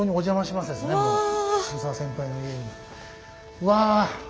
うわ！